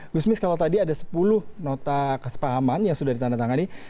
gusmis kalau tadi ada sepuluh nota kesepahaman yang sudah ditandatangani